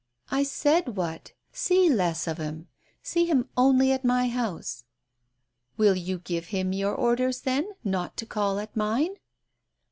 " "I said what. See less of him. See him only at my house." "Will you give him your orders, then, not to call at mine